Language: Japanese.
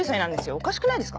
おかしくないですか？